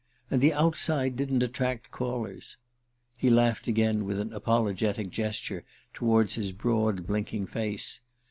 And the outside didn't attract callers." He laughed again, with an apologetic gesture toward his broad blinking face.